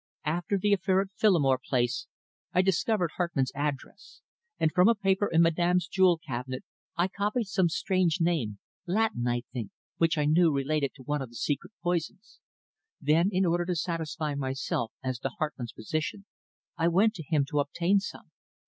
"After the affair at Phillimore Place I discovered Hartmann's address, and from a paper in Madame's jewel cabinet I copied some strange name Latin, I think which I knew related to one of the secret poisons. Then, in order to satisfy myself as to Hartmann's position, I went to him to obtain some.